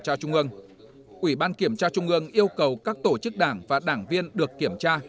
cho trung ương ủy ban kiểm tra trung ương yêu cầu các tổ chức đảng và đảng viên được kiểm tra